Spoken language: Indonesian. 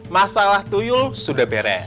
masalah tuyul sudah beret